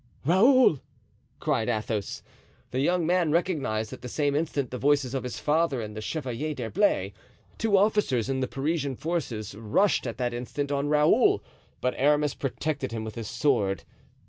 "Raoul?" cried Athos. The young man recognized at the same instant the voices of his father and the Chevalier d'Herblay; two officers in the Parisian forces rushed at that instant on Raoul, but Aramis protected him with his sword.